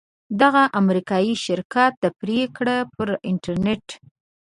دغه امریکایي شرکت دا پریکړه پر انټرنیټ